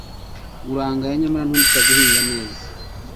Urangaya nyamara ntundusha guhinga neza.